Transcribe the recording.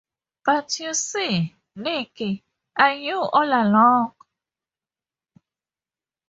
But you see, Niki, I knew all along.